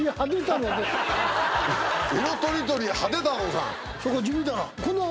色とりどり派手太郎さん？